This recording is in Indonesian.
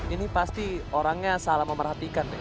ini pasti orangnya salah memerhatikan